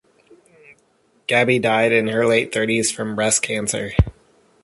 Gaby died in her late thirties from breast cancer.